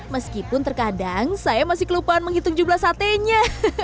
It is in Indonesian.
meskipun terkadang saya masih kelupaan menghitung jumlah satenya